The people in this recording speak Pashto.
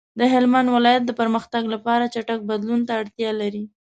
د هلمند ولایت د پرمختګ لپاره چټک بدلون ته اړتیا لري.